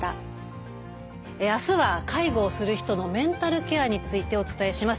あすは介護をする人のメンタルケアについてお伝えします。